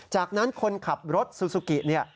จากนั้นคนขับรถซูซูกิเนี่ย